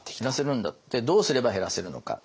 どうすれば減らせるのか。